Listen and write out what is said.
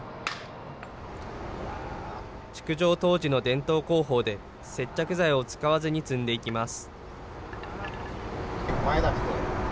築城当時の伝統工法で、接着剤を使わずに積んでいきます。